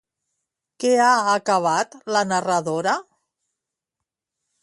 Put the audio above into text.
Què ha acabat la narradora?